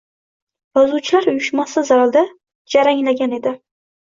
Yozuvchilar uyushmasi zalida jaranglagan edi.